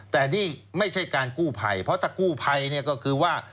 แต่นี่ไม่ใช่การกู้ภัยเพราะถ้ากู้ภัยเนี่ยก็คือว่า